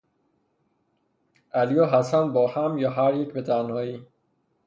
علی و حسن با هم یا هر یک به تنهایی